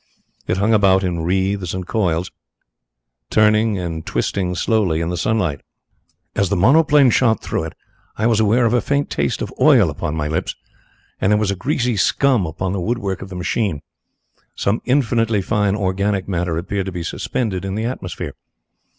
It hung about in wreaths and coils, turning and twisting slowly in the sunlight. As the monoplane shot through it, I was aware of a faint taste of oil upon my lips, and there was a greasy scum upon the woodwork of the machine. Some infinitely fine organic matter appeared to be suspended in the atmosphere.